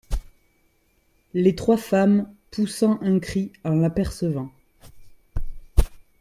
Les Trois Femmes , poussant un cri en l’apercevant.